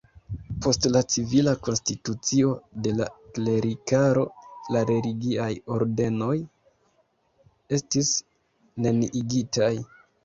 Post la civila konstitucio de la klerikaro, la religiaj ordenoj estis neniigitaj.